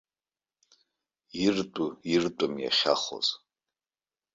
Иртәу, иртәым иахьахоз.